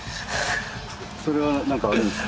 それは何かあるんですか？